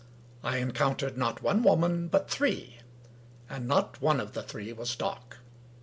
I encountered, not one woman, but three — and not one of the three was dark.